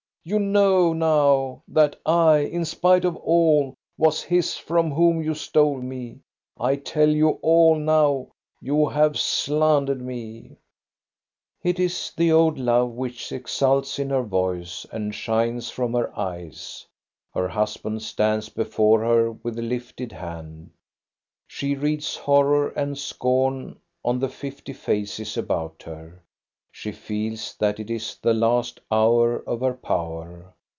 You know now that I, in spite of all, was his from whom you stole me. I tell you all now, you who have slandered me !" It is the old love which exults in her voice and shines from her eyes. Her husband stands before her with lifted hand. She reads horror and scorn on the fifty faces about her. She feels that it is the last hour of her power.